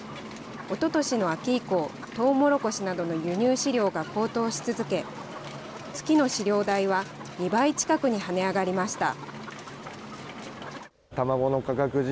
おととしの秋以降、トウモロコシなどの輸入飼料が高騰し続け、月の飼料代は２倍近くに跳ね上がりました。